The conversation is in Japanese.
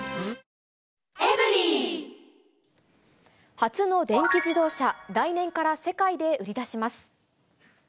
初の電気自動車、来年から世界で売り出します。